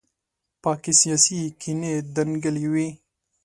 په کې سیاسي کینې دنګلې وي.